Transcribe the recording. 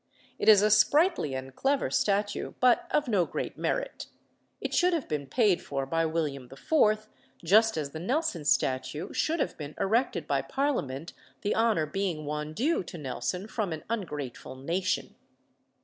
It is a sprightly and clever statue, but of no great merit. It should have been paid for by William IV., just as the Nelson statue should have been erected by Parliament, the honour being one due to Nelson from an ungrateful nation.